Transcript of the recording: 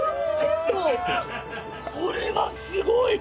これはすごい！